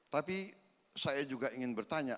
tapi saya juga ingin bertanya